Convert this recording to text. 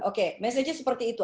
oke mesejnya seperti itu